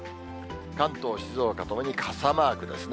関東、静岡ともに傘マークですね。